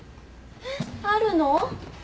えっあるの？